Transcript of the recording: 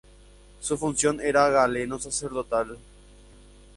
Su función era galeno-sacerdotal.